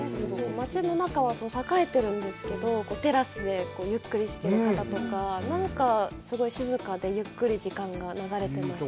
街の中は栄えてるんですけど、テラスでゆっくりしてる方とか、すごい静かで、ゆっくり時間が流れてました。